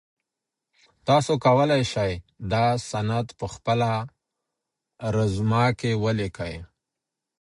تاسو کولای سئ دا سند په خپله رزومه کي ولیکئ.